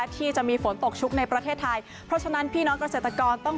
ที่จะมีฝนตกชุกในประเทศไทยเพราะฉะนั้นพี่น้องเกษตรกรต้อง